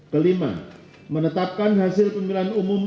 kelima menetapkan hasil pemilihan umum